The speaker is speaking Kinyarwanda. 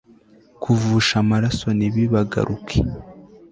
kuvusha amaraso nibibagaruke